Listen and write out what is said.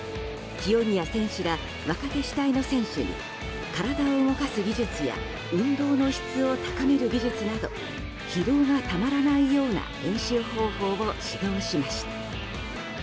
清宮選手ら若手主体の選手に体を動かす技術や運動の質を高める技術など疲労がたまらないような練習方法指導しました。